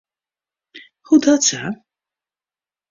Hoedatsa?